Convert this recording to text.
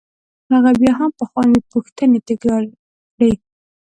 هغه بیا هم پخوانۍ پوښتنې تکرار کړې.